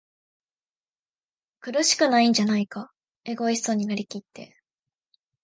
苦しくないんじゃないか？エゴイストになりきって、